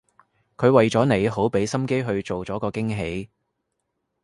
佢為咗你好畀心機去做咗個驚喜